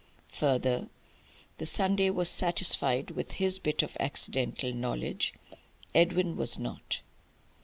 Further, the Sunday was satisfied with his bit of accidental knowledge. Edwin was not.